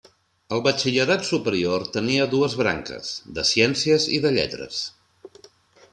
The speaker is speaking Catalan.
El Batxillerat superior tenia dues branques: de Ciències i de Lletres.